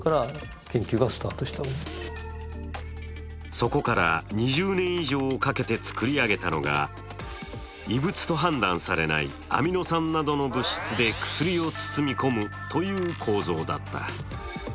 そこから２０年以上をかけて作り上げたのが異物と判断されないアミノ酸などの物質で薬を包み込むという構造だった。